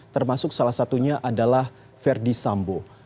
termasuk salah satunya adalah verdi sambo